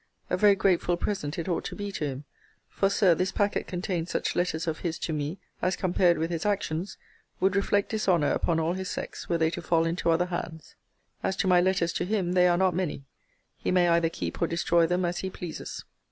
A very grateful present it ought to be to him: for, Sir, this packet contains such letters of his to me, as, compared with his actions, would reflect dishonour upon all his sex, were they to fall into other hands. As to my letters to him, they are not many. He may either keep or destroy them, as he pleases.